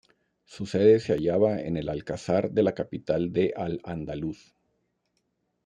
Su sede se hallaba en el alcázar de la capital de Al-Ándalus.